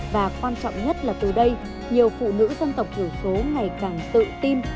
và quan trọng nhất là từ đây nhiều phụ nữ dân tộc thiểu số ngày càng tự tin